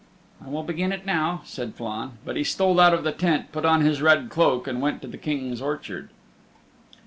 "I will begin it now," said Flann, but he stole out of the tent, put on his red cloak and went to the King's orchard.